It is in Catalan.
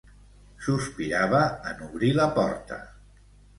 Sospirava en obrir la porta.